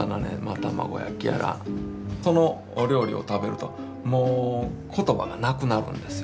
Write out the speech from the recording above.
そのお料理を食べるともう言葉がなくなるんですよ。